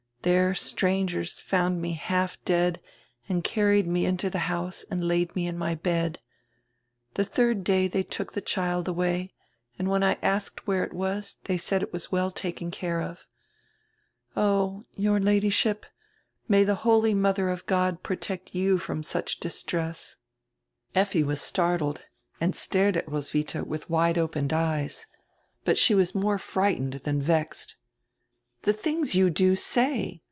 There strangers found me half dead and carried me into the house and laid me in my bed. The third day diey took die child away and when I asked where it was they said it was well taken care of. Oh, your Ladyship, may die holy modier of God protect you from such distress!" Effi was starded and stared at Roswitha widi wide opened eyes. But she was more frightened dian vexed. "The things you do say!